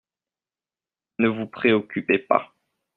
Ne vous préoccupez pas.